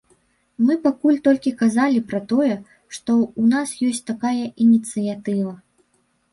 Мы пакуль толькі казалі пра тое, што ў нас ёсць такая ініцыятыва.